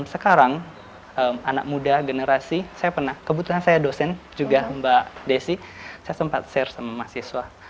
tapi sekarang anak muda generasi kebetulan saya dosen juga mbak desy saya sempat share sama mahasiswa